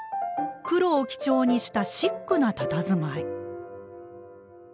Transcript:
黒を基調にしたシックなたたずまい。